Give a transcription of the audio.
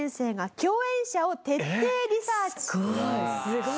すごーい！